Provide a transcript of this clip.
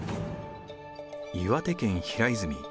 岩手県平泉。